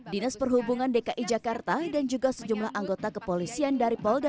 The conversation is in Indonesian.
dinas perhubungan dki jakarta dan juga sejumlah anggota kepolisian dari polda